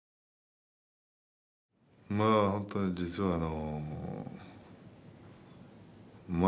まあ本当に実はあの。